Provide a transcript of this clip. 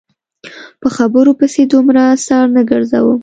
په خبرو پسې دومره سر نه ګرځوم.